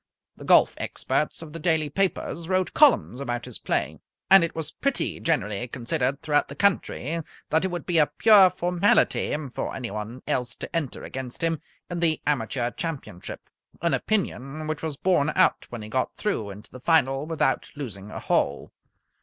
The golf experts of the daily papers wrote columns about his play. And it was pretty generally considered throughout the country that it would be a pure formality for anyone else to enter against him in the Amateur Championship an opinion which was borne out when he got through into the final without losing a hole.